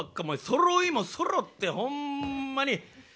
そろいもそろってほんまに。